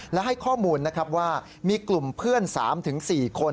และให้ข้อมูลนะครับว่ามีกลุ่มเพื่อน๓๔คน